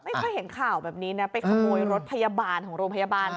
ไม่ค่อยเห็นข่าวแบบนี้นะไปขโมยรถพยาบาลของโรงพยาบาล